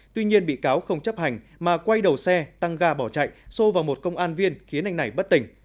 tuy nhiên bị cáo không chấp hành mà quay đầu xe tăng ga bỏ chạy xô vào một công an viên khiến anh này bất tình